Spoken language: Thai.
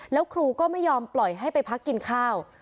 แล้วครูก็ไม่ยอมปล่อยให้ไปพักกินข้าว